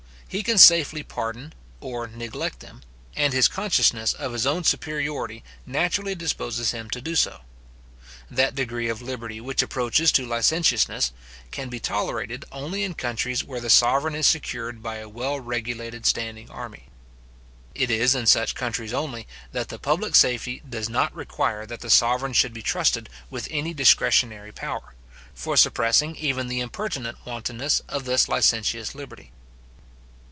He can safely pardon or neglect them, and his consciousness of his own superiority naturally disposes him to do so. That degree of liberty which approaches to licentiousness, can be tolerated only in countries where the sovereign is secured by a well regulated standing army. It is in such countries only, that the public safety does not require that the sovereign should be trusted with any discretionary power, for suppressing even the impertinent wantonness of this licentious liberty.